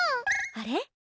あれ？